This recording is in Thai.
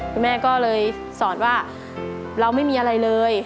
คุณแม่ก็เลยสอนว่าเราไม่มีอะไรเลย